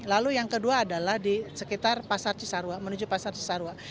lalu yang kedua adalah di sekitar pasar cisarwa menuju pasar cisarwa